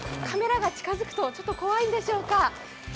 カメラが近づくと怖いんでしょうか。